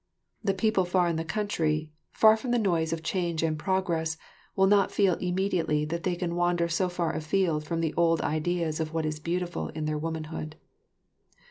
The people far in the country, far from the noise of change and progress, will not feel immediately that they can wander so far afield from the old ideas of what is beautiful in their womanhood.